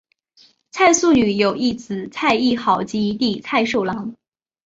蔡素女有一姊蔡亦好及一弟蔡寿郎。